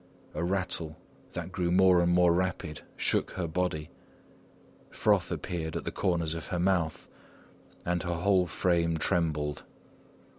A rattle that grew more and more rapid shook her body. Froth appeared at the corners of her mouth, and her whole frame trembled.